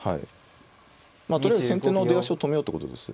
とりあえず先手の出足を止めようってことです。